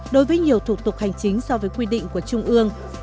đối với nhiều thủ tục hành chính so với quy định của trung ương